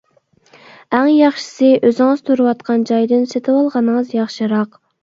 ئەڭ ياخشىسى ئۆزىڭىز تۇرۇۋاتقان جايدىن سېتىۋالغىنىڭىز ياخشىراق.